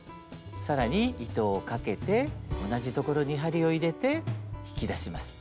更に糸をかけて同じ所に針を入れて引き出します。